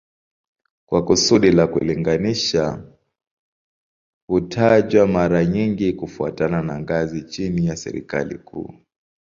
Kwa kusudi la kulinganisha hutajwa mara nyingi kufuatana na ngazi chini ya serikali kuu